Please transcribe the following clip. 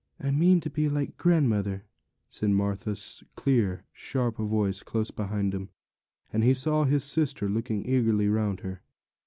'I mean to be like grandmother,' said Martha's clear, sharp voice, close beside him, and he saw his sister looking eagerly round her.